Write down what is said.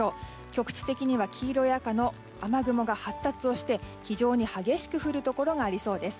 局地的には黄色や赤の雨雲が発達をして非常に激しく降るところがありそうです。